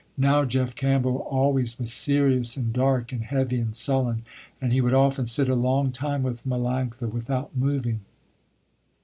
Now Jeff Campbell always was serious, and dark, and heavy, and sullen, and he would often sit a long time with Melanctha without moving.